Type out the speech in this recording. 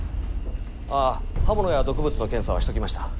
あっ刃物や毒物の検査はしときました。